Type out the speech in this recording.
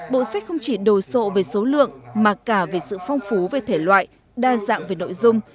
bộ sách không chỉ đồ sộ về số lượng mà cả về sự phong phú về thể loại đa dạng về nội dung